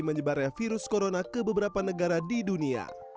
menyebarnya virus corona ke beberapa negara di dunia